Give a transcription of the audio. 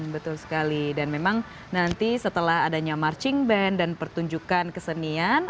betul sekali dan memang nanti setelah adanya marching band dan pertunjukan kesenian